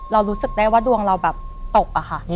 เรารู้สึกได้ว่าดวงเราแบบตกอะค่ะ